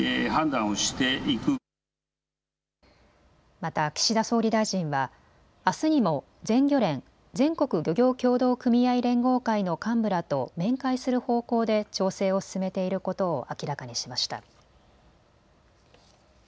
また岸田総理大臣はあすにも全漁連・全国漁業協同組合連合会の幹部らと面会する方向で調整を進めていることを明らかにしました。